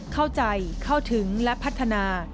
เข้าใจเข้าถึงและพัฒนา